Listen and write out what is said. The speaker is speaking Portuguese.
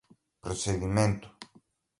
procedimento